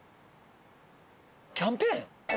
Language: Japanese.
キャンペーン！？